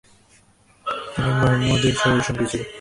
তিনি মুহাম্মদ -এর সফরসঙ্গী ছিলেন।